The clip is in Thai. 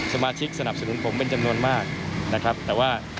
สมาชิกสนับสนุนผมเป็นจำนวนมากนะครับแต่ว่า